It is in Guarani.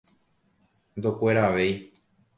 Ndokueravéi.